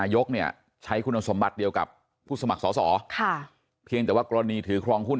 ยกเนี่ยใช้คุณสมบัติเดียวกับผู้สมัครสอสอค่ะเพียงแต่ว่ากรณีถือครองหุ้น